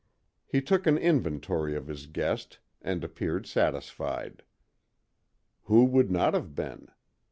He took an inventory of his guest, and appeared satisfied. Who would not have been?